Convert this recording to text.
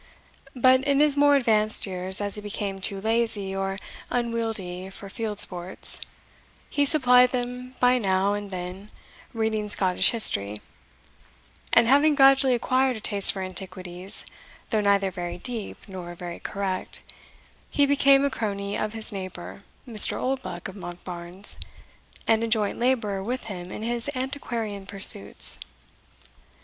But, in his more advanced years, as he became too lazy or unwieldy for field sports, he supplied them by now and then reading Scottish history; and, having gradually acquired a taste for antiquities, though neither very deep nor very correct, he became a crony of his neighbour, Mr. Oldbuck of Monkbarns, and a joint labourer with him in his antiquarian pursuits.